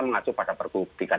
mengacu pada bergu